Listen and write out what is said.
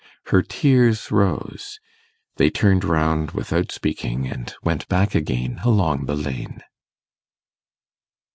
Her tears rose; they turned round without speaking, and went back again along the lane.